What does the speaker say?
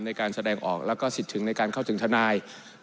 ในการแสดงออกแล้วก็สิทธิ์ถึงในการเข้าถึงทนาย